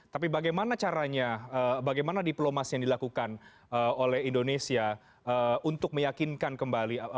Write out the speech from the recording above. tapi bagaimana caranya bagaimana diplomasi yang dilakukan oleh indonesia untuk meyakinkan kembali